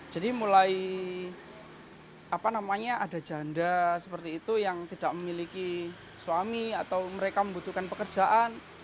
jadi mulai ada janda seperti itu yang tidak memiliki suami atau mereka membutuhkan pekerjaan